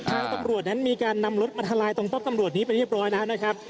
ทางตำรวจนั้นมีการนำรถมาทลายตรงป้อมตำรวจนี้ไปเรียบร้อยแล้วนะครับ